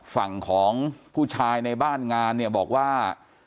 ฝั่งของผู้ชายในบ้านงานเนี่ยบอกว่า